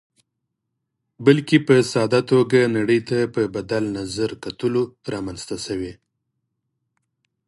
بلکې په ساده توګه نړۍ ته په بدل نظر کتلو رامنځته شوې.